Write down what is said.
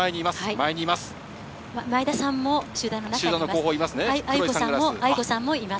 前田さんも集団の中にいます。